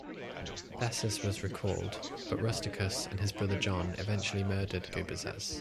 Bessas was recalled, but Rusticus and his brother John eventually murdered Gubazes.